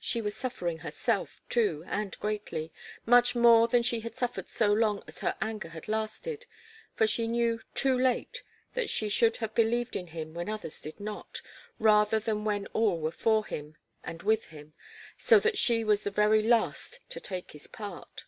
She was suffering herself, too, and greatly much more than she had suffered so long as her anger had lasted, for she knew, too late, that she should have believed in him when others did not, rather than when all were for him and with him, so that she was the very last to take his part.